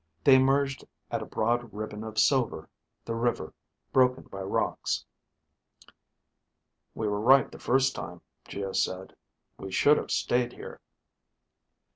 They emerged at a broad ribbon of silver, the river, broken by rocks. "We were right the first time," Geo said. "We should have stayed here."